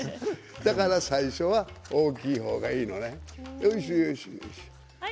だから最初は大きい方がいいのね。